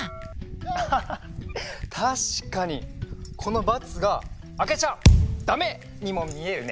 アハハッたしかにこのバツが「あけちゃダメ！」にもみえるね。